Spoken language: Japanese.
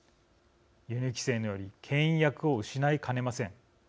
輸入規制によりけん引役を失いかねません。